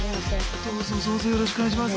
どうぞどうぞよろしくお願いします。